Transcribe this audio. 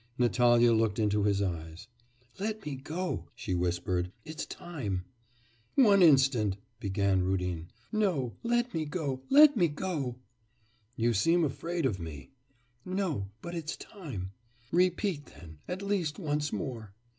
Natalya looked into his eyes. 'Let me go,' she whispered; 'it's time.' 'One instant,' began Rudin. 'No, let me go, let me go.' 'You seem afraid of me.' 'No, but it's time.' 'Repeat, then, at least once more.